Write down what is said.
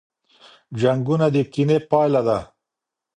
جنګونه د کینې پایله ده.